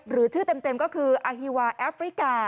หรือชื่อเต็มก็คืออาฮีวาแอฟริกา